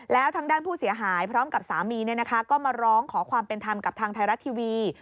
แล้วทางด้านผู้เสียหายพร้อมกับสามีก็มาร้องขอความเป็นธรรมกับทางไทยรัฐทีวี